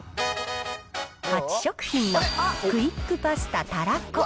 ハチ食品のクイックパスタたらこ。